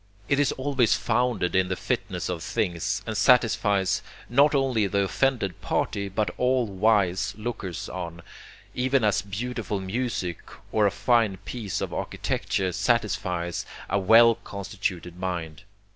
... It is always founded in the fitness of things, and satisfies not only the offended party, but all wise lookers on, even as beautiful music or a fine piece of architecture satisfies a well constituted mind.